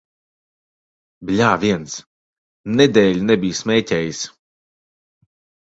Bļāviens! Nedēļu nebiju smēķējis.